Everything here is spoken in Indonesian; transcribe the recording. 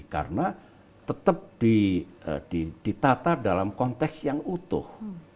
karena tetap ditatap dalam konteks yang utuh